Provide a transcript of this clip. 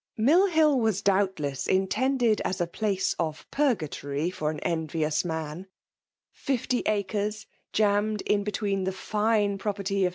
Mill Hill was dfdubtless intended as ^ place ^B YVtUKhR DOMINATtOff* of purgatory for an envious man. Fifty acres» jammed in between the fine property of Mra.